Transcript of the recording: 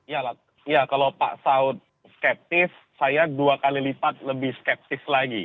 ya kalau pak saud skeptis saya dua kali lipat lebih skeptis lagi